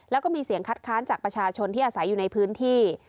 แล้วก็มีเสียงคัดค้านจากประชาชนที่อาศัยอยู่ในพื้นที่